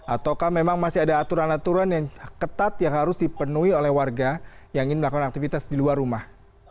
ataukah memang masih ada aturan aturan yang ketat yang harus dipenuhi oleh warga yang ingin melakukan aktivitas di luar rumah